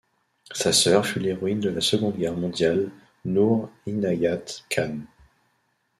Sa sœur fut l'héroïne de la seconde guerre mondiale Noor Inayat Khan.